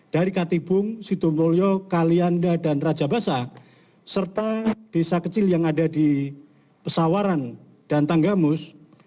dari katibung sidomulyo kalianda dan raja basah serta desa kecil yang ada di pesawaran dan tanggamus